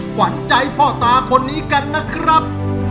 ขวัญใจพ่อตาคนนี้กันนะครับ